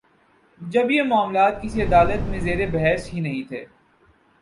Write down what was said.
جب یہ معاملات کسی عدالت میں زیر بحث ہی نہیں تھے۔